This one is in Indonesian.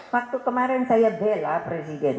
waktu kemarin saya bela presiden